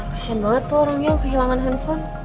passion banget tuh orangnya kehilangan handphone